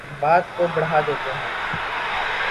بات کو بڑھا دیتے ہیں